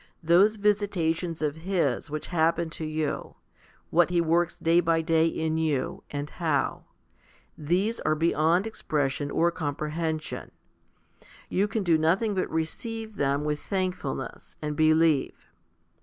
Those visitations of His which happen to you what He works day by day in you, and how these are beyond expression or comprehension ; you can do nothing but receive them with thankfulness, and believe.